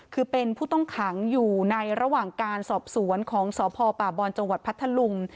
คือเป็นผู้ต้องขังอยู่ในระหว่างการสอบสวนของสพป่าบอนจังหวัดพัทธลุง